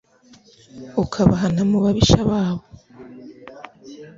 ukabahana mu babisha babo